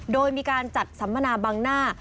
โดยมีการจัดสัมมนาบังหน้า